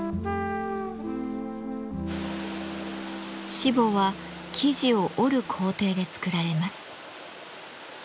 しぼは生地を織る工程で作られます。